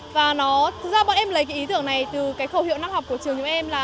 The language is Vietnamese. và thực ra bọn em lấy ý tưởng này từ khẩu hiệu năng học của trường chúng em là